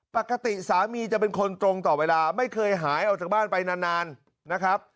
ปกติสามีจะเป็นคนตรงต่อเวลาไม่เคยหายออกจากบ้านไปนานนะครับ